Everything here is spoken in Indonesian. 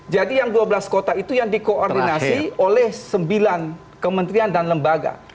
jadi yang dua belas kota itu yang dikoordinasi oleh sembilan kementerian dan lembaga